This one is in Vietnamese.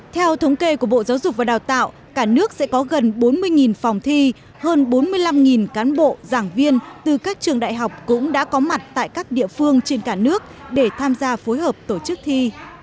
theo thống kê của bộ giáo dục và đào tạo cả nước sẽ có gần bốn mươi phòng thi hơn bốn mươi năm cán bộ giảng viên từ các trường đại học cũng đã có mặt tại các địa phương trên cả nước để tham gia phối hợp tổ chức thi